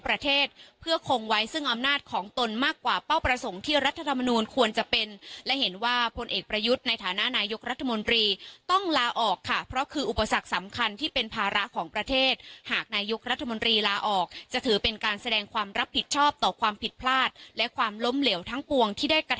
ประเทศเพื่อคงไว้ซึ่งอำนาจของตนมากกว่าเป้าประสงค์ที่รัฐธรรมนูลควรจะเป็นและเห็นว่าพลเอกประยุทธ์ในฐานะนายกรัฐมนตรีต้องลาออกค่ะเพราะคืออุปสรรคสำคัญที่เป็นภาระของประเทศหากนายกรัฐมนตรีลาออกจะถือเป็นการแสดงความรับผิดชอบต่อความผิดพลาดและความล้มเหลวทั้งปวงที่ได้ก